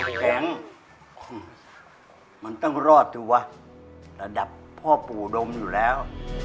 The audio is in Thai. แข็งมันต้องรอดสิวะระดับพ่อปู่ดมอยู่แล้ว